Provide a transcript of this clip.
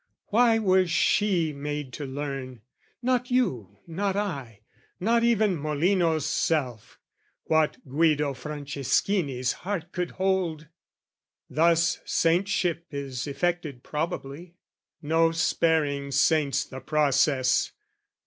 Why was she made to learn Not you, not I, not even Molinos' self What Guido Franceschini's heart could hold? Thus saintship is effected probably; No sparing saints the process!